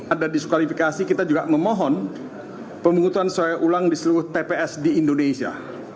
ada diskualifikasi kita juga memohon pemungutan suara ulang di seluruh tps di indonesia